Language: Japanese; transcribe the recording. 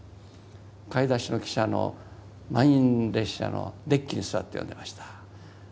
買い出しの汽車の満員列車のデッキに座って読んでました。